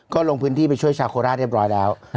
ก็ลงพื้นที่ไปช่วยชาวโคราชเรียบร้อยแล้ว